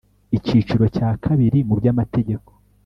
icyiciro cya kabiri mu by amategeko